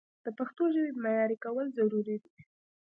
د پښتو ژبې معیاري کول ضروري دي.